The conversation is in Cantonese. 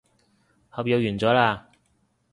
合約完咗喇